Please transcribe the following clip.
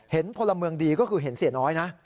พลเมืองดีก็คือเห็นเสียน้อยนะ